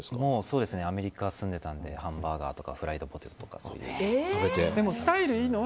アメリカ住んでたんでハンバーガーとかフライドポテトとかそういうの。